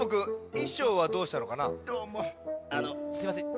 あのすいません。